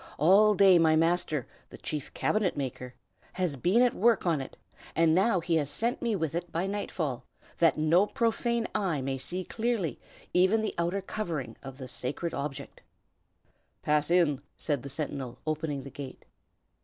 All day my master, the Chief Cabinet maker, has been at work on it, and now he has sent me with it by nightfall, that no profane eye may see clearly even the outer covering of the sacred object." "Pass in," said the sentinel, opening the gate.